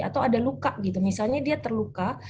atau ada luka gitu misalnya dia terluka